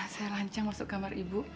saya lancar masuk kamar ibu